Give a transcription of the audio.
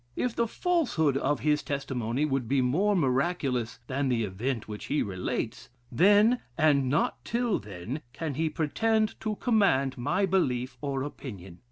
If the falsehood of his testimony would be more miraculous than the event which he relates; then, and not till then, can he pretend to command my belief or opinion....